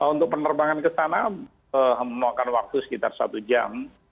untuk penerbangan ke sana memakan waktu sekitar satu jam